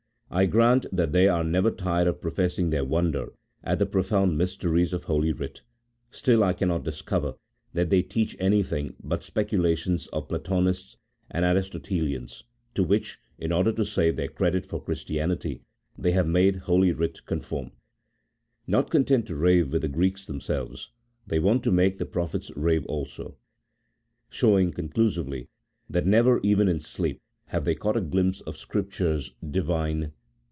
I grant that they are never tired of professing their wonder at the profound mysteries of Holy Writ; still I cannot discover that they teach anything but speculations of Platonists and Aristotelians, to which (in order to save their credit for Christianity) they have made Holy "Writ conform ; not content to rave with the Greeks themselves, they want to make the pro phets rave also ; showing conclusively, that never even in sleep have they caught a glimpse of Scripture's Divine 8 A THEOLOGICO POLITICAL TREATISE.